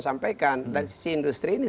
sampaikan dan sisi industri ini